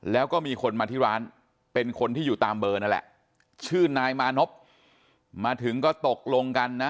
แล้วก็มีคนมาที่ร้านเป็นคนที่อยู่ตามเบอร์นั่นแหละชื่อนายมานพมาถึงก็ตกลงกันนะ